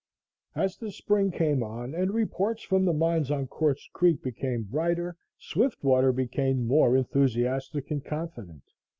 As the spring came on and reports from the mines on Quartz Creek became brighter, Swiftwater became more enthusiastic and confident.